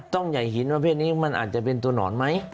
ต้องใหญ่หินประเภทนี้มันอาจจะเป็นตัวหนอนไหม